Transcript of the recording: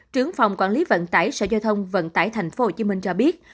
trưởng phòng quản lý vận tải sở giao thông vận tải tp hcm cho biết